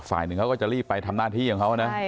ฝ่ายหนึ่งเขาก็จะรีบไปทำหน้าที่ของเขานะ